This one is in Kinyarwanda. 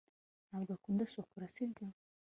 ntabwo ukunda shokora, sibyo